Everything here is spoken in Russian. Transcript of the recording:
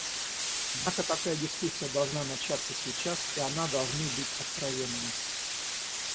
Однако такая дискуссия должна начаться сейчас, и она должны быть откровенной.